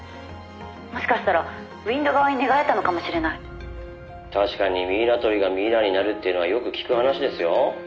「もしかしたらＷＩＮＤ側に寝返ったのかもしれない」「確かにミイラ取りがミイラになるっていうのはよく聞く話ですよ」